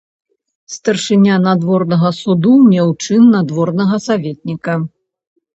Старшыня надворнага суду меў чын надворнага саветніка.